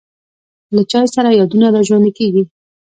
له چای سره یادونه را ژوندی کېږي.